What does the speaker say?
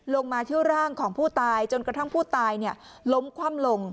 มาเที่ยวร่างของผู้ตายจนกระทั่งผู้ตายล้มคว่ำลง